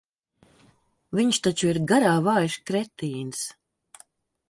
Viņš taču ir garā vājš kretīns.